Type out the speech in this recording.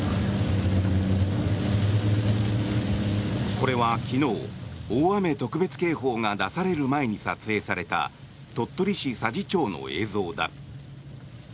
これは昨日、大雨特別警報が出される前に撮影された鳥取市佐治町の映像だ。